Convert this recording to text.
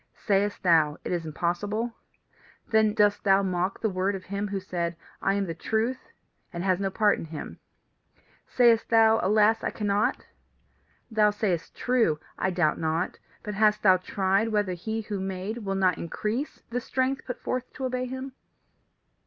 Sayest thou, It is impossible? Then dost thou mock the word of him who said, I am the Truth, and has no part in him. Sayest thou, Alas, I cannot? Thou sayest true, I doubt not. But hast thou tried whether he who made will not increase the strength put forth to obey him?